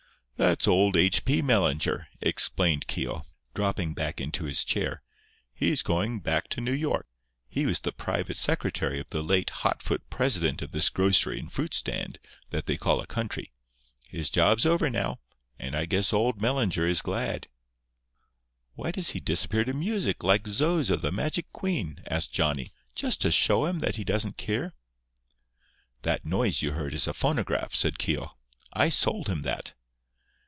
"That's old H. P. Mellinger," explained Keogh, dropping back into his chair. "He's going back to New York. He was private secretary of the late hot foot president of this grocery and fruit stand that they call a country. His job's over now; and I guess old Mellinger is glad." "Why does he disappear to music, like Zo zo, the magic queen?" asked Johnny. "Just to show 'em that he doesn't care?" "That noise you heard is a phonograph," said Keogh. "I sold him that.